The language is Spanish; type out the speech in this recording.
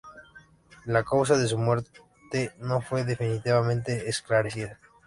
La causa de su muerte no fue definitivamente esclarecida.